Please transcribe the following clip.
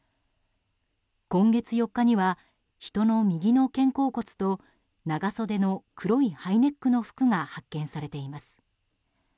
今月４日には人の右の肩甲骨と長袖の黒いハイネックの服が発見されています。